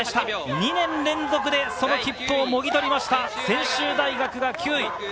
２年連続でその切符をもぎ取りました専修大学が９位。